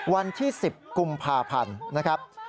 วันที่๑๐กุมภาพันธ์นะครับ